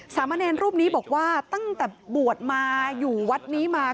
สามเณรรูปนี้บอกว่าตั้งแต่บวชมาอยู่วัดนี้มา